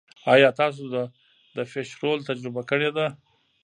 ایا تاسو د فش رول تجربه کړې ده؟